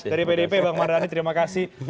dari pdp bang mardani terima kasih